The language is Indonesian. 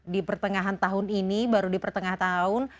di pertengahan tahun ini baru di pertengahan tahun